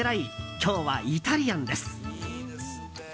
今日はイタリアンです。